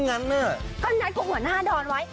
ก็นัดกับหัวหน้าดอนไว้